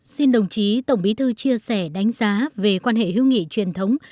xin đồng chí tổng bí thư chia sẻ đánh giá về quan hệ hữu nghị truyền thống